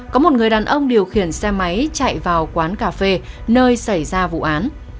có một người đàn ông điều khiển xe máy chạy vào quán cà phê nơi xảy ra vụ án